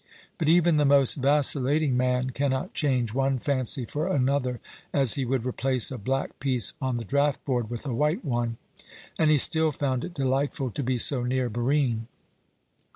But even the most vacillating man cannot change one fancy for another as he would replace a black piece on the draughtboard with a white one, and he still found it delightful to be so near Barine.